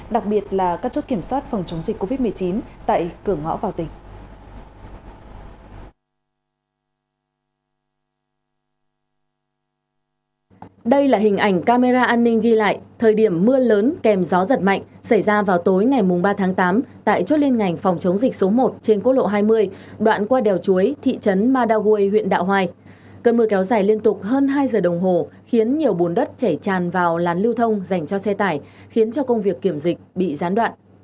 đặc biệt là cắt chốt kiểm soát phòng chống dịch covid một mươi chín tại cửa ngõ vào tỉnh